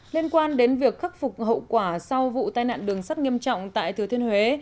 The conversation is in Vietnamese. liên quan đến việc khắc phục hậu quả sau vụ tai nạn đường sắt nghiêm trọng tại thừa thiên huế